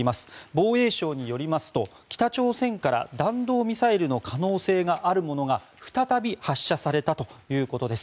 防衛省によりますと北朝鮮から弾道ミサイルの可能性があるものが再び発射されたということです。